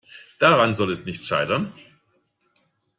Daran soll es nicht scheitern.